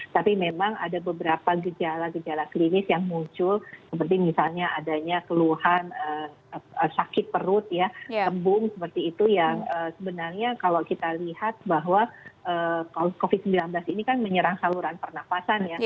tapi memang ada beberapa gejala gejala klinis yang muncul seperti misalnya adanya keluhan sakit perut ya tembung seperti itu yang sebenarnya kalau kita lihat bahwa covid sembilan belas ini kan menyerang saluran pernafasan ya